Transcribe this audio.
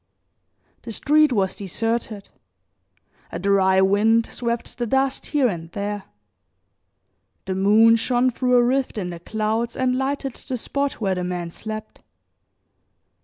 The street was deserted, a dry wind swept the dust here and there; the moon shone through a rift in the clouds and lighted the spot where the man slept.